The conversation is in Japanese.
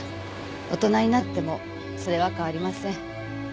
大人になってもそれは変わりません。